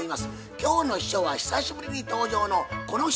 今日の秘書は久しぶりに登場のこの人。